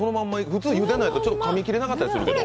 普通、ゆでないとかみ切れなかったりするけど。